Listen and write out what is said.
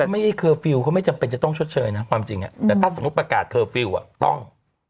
เคอร์ฟิลล์เขาไม่จำเป็นจะต้องชดเชยนะความจริงแต่ถ้าสมมุติประกาศเคอร์ฟิลล์ต้อง